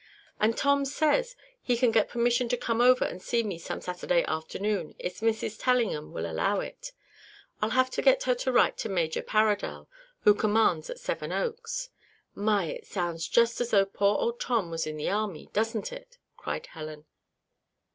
"And Tom says he can get permission to come over and see me some Saturday afternoon if Mrs. Tellingham will allow it. I'll have to get her to write to Major Paradell, who commands at Seven Oaks. My! it sounds just as though poor old Tom was in the army; doesn't it?" cried Helen.